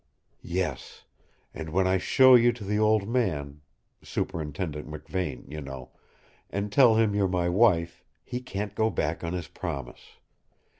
"Yes; and when I show you to the old man Superintendent Me Vane, you know and tell him you're my wife, he can't go back on his promise.